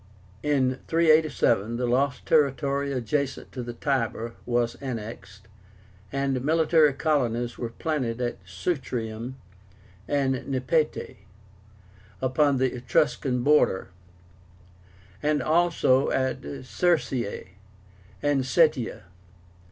In 387 the lost territory adjacent to the Tiber was annexed, and military colonies were planted at Sutrium and Nepete upon the Etruscan border, and also at Circeii and Setia.